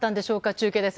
中継です。